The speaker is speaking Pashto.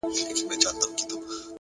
خدای په ژړا دی؛ خدای پرېشان دی؛